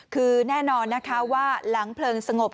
คือแน่นอนนะคะว่าหลังเพลิงสงบ